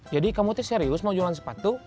jadi kamu serius mau jualan sepatu